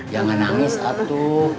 jangan nangis atuh